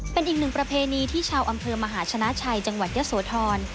เป็นอีกหนึ่งประเพณีที่ชาวอำเภอมหาชนะชัยจังหวัดยะโสธร